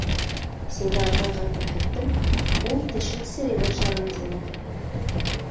Сәйҙә апайға күрһәттем, ул тешең серей башлаған, тине.